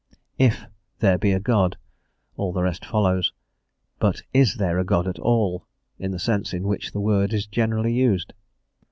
"If there be a God" all the rest follows, but is there a God at all in the sense in which the word is generally used?